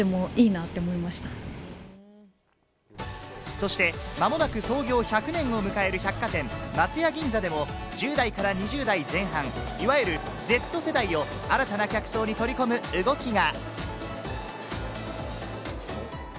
そしてまもなく創業１００年を迎える百貨店・松屋銀座でも１０代から２０代前半、いわゆるＺ世代を新たな客層に取り込む動きが。